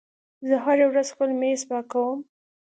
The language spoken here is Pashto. زه هره ورځ خپل میز پاکوم.